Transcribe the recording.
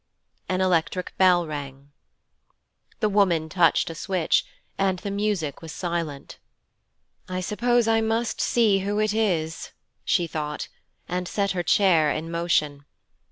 An electric bell rang. The woman touched a switch and the music was silent. 'I suppose I must see who it is', she thought, and set her chair in motion.